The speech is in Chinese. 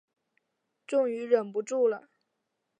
终于忍不住了